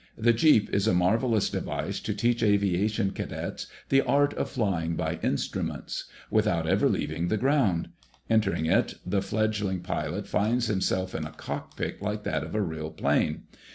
The "Jeep" is a marvellous device to teach aviation cadets the art of flying by instruments—without ever leaving the ground. Entering it, the fledgling pilot finds himself in a cockpit like that of a real plane.